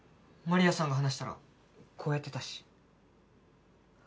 マリアさんが話したらこうやってたし。